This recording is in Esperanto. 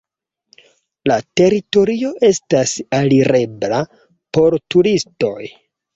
La teritorio estas alirebla por turistoj.